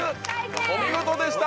お見事でした！